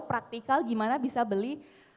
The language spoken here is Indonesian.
praktikal gimana bisa beli